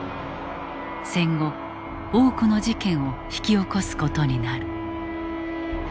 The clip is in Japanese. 戦後多くの事件を引き起こす事になる。